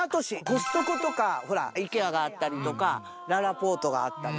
コストコとかイケアがあったりとかららぽーとがあったりとか。